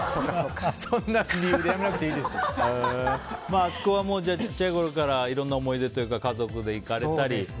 あそこは小さいころからいろんな思い出というか家族で行かれたり。